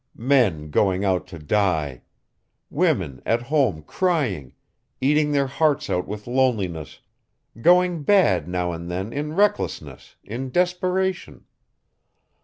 Men going out to die. Women at home crying, eating their hearts out with loneliness, going bad now and then in recklessness, in desperation.